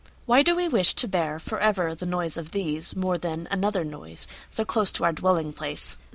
Why do we wish to bearForever the noise of theseMore than another noiseSo close to our dwelling place?